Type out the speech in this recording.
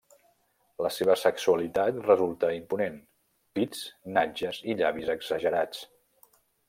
La seva sexualitat resulta imponent: pits, natges i llavis exagerats.